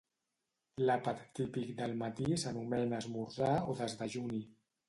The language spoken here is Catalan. L'àpat típic del matí s'anomena esmorzar o desdejuni.